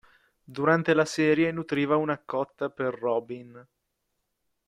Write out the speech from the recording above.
Durante la serie nutriva una cotta per Robin.